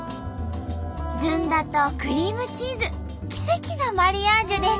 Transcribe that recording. ずんだとクリームチーズ奇跡のマリアージュです。